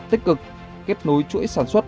tích cực kết nối chuỗi sản xuất